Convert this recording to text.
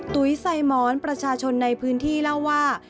ตุ๋ยใส่หมอนประชาชนในพื้นที่เล่าว่า